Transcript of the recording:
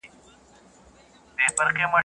لوى ئې پر کور کوي، کوچنی ئې پر بېبان.